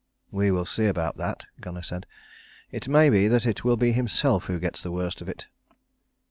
"We will see about that," Gunnar said. "It may be that it will be himself who gets the worst of it."